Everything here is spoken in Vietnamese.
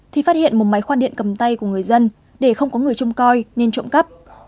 thì phát hiện một máy khoan điện cầm tay của người dân để không có người trông coi nên trộm cắp